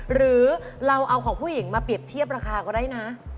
หรือเราเอาของผู้หญิงมาเปรียบเทียบราคาก็ได้นะ